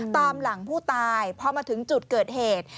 ตามหลังผู้ตายพอมาถึงจุดเกิดเหตุ